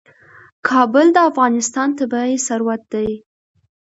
کابل د افغانستان طبعي ثروت دی.